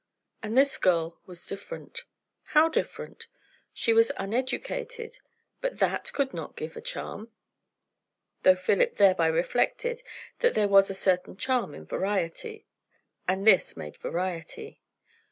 And this girl was different. How different? She was uneducated, but that could not give a charm; though Philip thereby reflected that there was a certain charm in variety, and this made variety.